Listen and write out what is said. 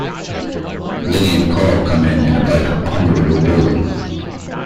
Lenny and Carl come in and invite Homer to go bowling.